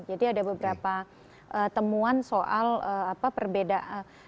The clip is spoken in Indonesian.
jadi ada beberapa temuan soal perbedaan